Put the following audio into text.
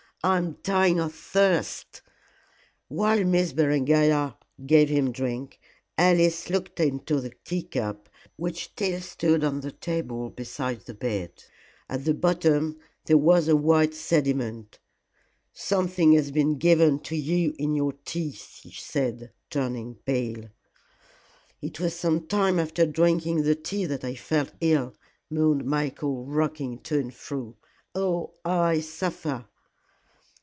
"I am dying of thirst." While Miss Berengaria gave him drink, Alice looked into the tea cup, which still stood on the table beside the bed. At the bottom there was a white sediment. "Something has been given to you in your tea," she said, turning pale. "It was some time after drinking the tea that I felt ill," moaned Michael, rocking to and fro. "Oh, how I suffer."